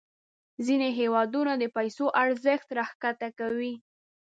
ځینې هیوادونه د پیسو ارزښت راښکته کوي.